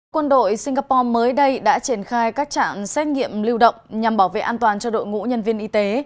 quân đội singapore mới đây đã triển khai các trạm xét nghiệm lưu động nhằm bảo vệ an toàn cho đội ngũ nhân viên y tế